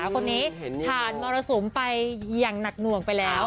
คนนี้ผ่านมรสุมไปอย่างหนักหน่วงไปแล้ว